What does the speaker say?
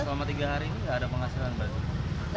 selama tiga hari ini enggak ada penghasilan banjir